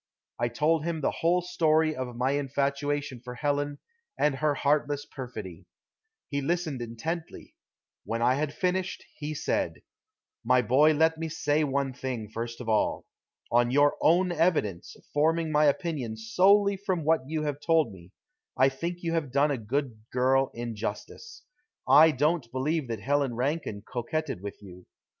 I told him the whole story of my infatuation for Helen and her heartless perfidy. He listened intently. When I had finished, he said: "My boy, let me say one thing, first of all. On your own evidence, forming my opinion solely from what you have told me, I think you have done a good girl injustice. I don't believe that Helen Rankine coquetted with you.